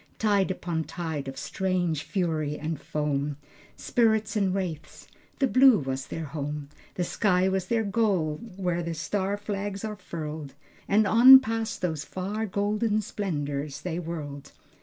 Tide upon tide of strange fury and foam, Spirits and wraiths, the blue was their home, The sky was their goal where the star flags are furled, And on past those far golden splendors they whirled.